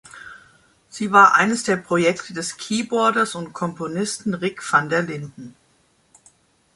Sie war eines der Projekte des Keyboarders und Komponisten Rick van der Linden.